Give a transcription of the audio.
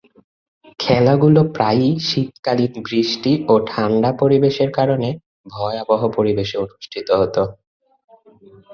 খেলাগুলো প্রায়ই শীতকালীন বৃষ্টি ও ঠাণ্ডা পরিবেশের কারণে ভয়াবহ পরিবেশে অনুষ্ঠিত হতো।